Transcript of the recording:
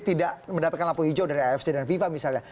tidak mendapatkan lampu hijau dari afc dan fifa misalnya